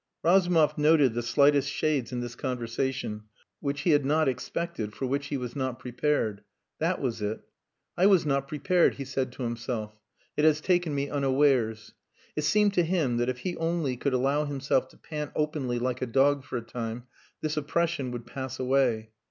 Razumov noted the slightest shades in this conversation, which he had not expected, for which he was not prepared. That was it. "I was not prepared," he said to himself. "It has taken me unawares." It seemed to him that if he only could allow himself to pant openly like a dog for a time this oppression would pass away.